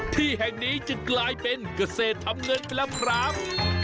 ที่แห่งนี้จะกลายเป็นเกษตรทำเงินไปแล้วครับ